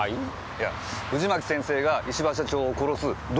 いや藤巻先生が石場社長を殺す動機ですよ。